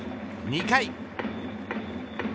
２回。